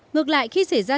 ngược lại khi xảy ra